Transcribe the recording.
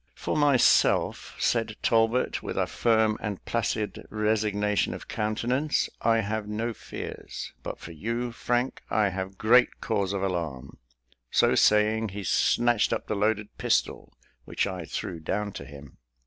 "For myself," said Talbot, with a firm and placid resignation of countenance, "I have no fears; but for you, Frank, I have great cause of alarm:" so saying, he snatched up the loaded pistol which I threw down to him.